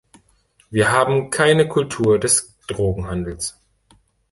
Wir haben keine Kultur des Drogenhandels.